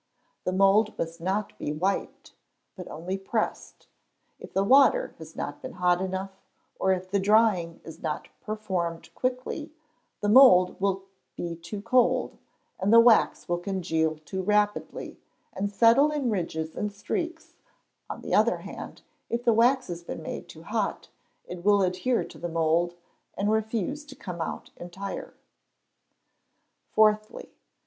The mould must not be wiped, but only pressed. If the water has not been hot enough, or if the drying is not performed quickly, the mould will be too cold, and the wax will congeal too rapidly, and settle in ridges and streaks; on the other hand, if the wax has been made too hot, it will adhere to the mould, and refuse to come out entire. Fourthly.